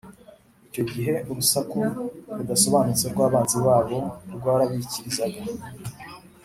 Icyo gihe, urusaku rudasobanutse rw’abanzi babo rwarabikirizaga,